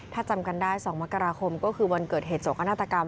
ถ้าจำกันได้๒มกราคมก็คือวันเกิดเหตุโศกนาฏกรรม